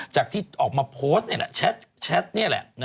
จากที่ออกมาโพสต์เนี่ยแหละ